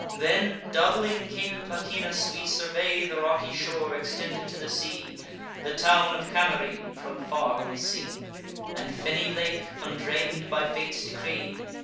Then, doubling Cape Pachynus, we survey The rocky shore extended to the sea. The town of Camarine from far we see, And fenny lake, undrain'd by fate's decree.